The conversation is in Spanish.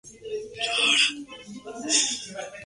Está presente en casi toda África subsahariana.